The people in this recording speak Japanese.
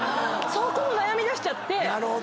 そこを悩みだしちゃって。